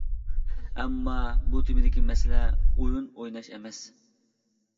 ئەمما بۇ تېمىدىكى مەسىلە ئويۇن ئويناش ئەمەس.